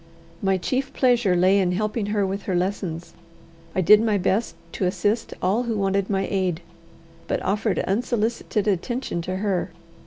My chief pleasure lay in helping her with her lessons. I did my best to assist all who wanted my aid, but offered unsolicited attention to her.